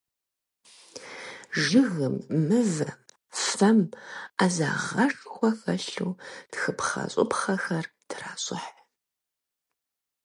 Жыгым, мывэм, фэм Ӏэзагъэшхуэ хэлъу тхыпхъэщӀыпхъэхэр тращӀыхь.